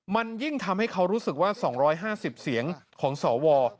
มันยิ่งทำให้เขารู้สึกว่า๒๕๐เสียงของสว